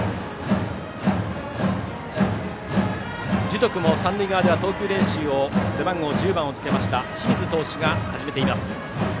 樹徳も三塁側では投球練習を背番号１０をつけた清水投手が始めています。